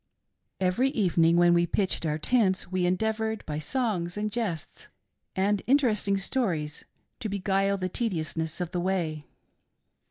Every evening, when we pitched our tents, we endeavored by songs, and jests, and interesting stories, to beguile the tediousness of the way.